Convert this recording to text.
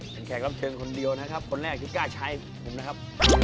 เป็นแขกรับเชิญคนเดียวนะครับคนแรกที่กล้าใช้ผมนะครับ